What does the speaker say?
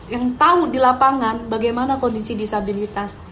yang tahu di lapangan bagaimana kondisi disabilitas